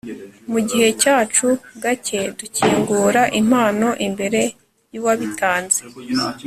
mu gihugu cyacu gake dukingura impano imbere yuwabitanze